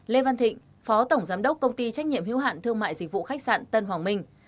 lê văn thịnh phó tổng giám đốc công ty trách nhiệm hiếu hạn thương mại dịch vụ khách sạn tân hoàng minh